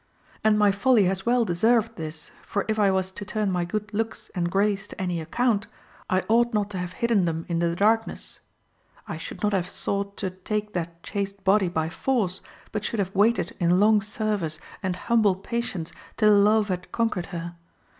And my folly has well deserved this, for if I was to turn my good looks and grace to any account, I ought not to have hidden them in the darkness. I should not have sought to take that chaste body by force, but should have waited in long service and humble patience till love had conquered her.